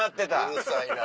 うるさいな。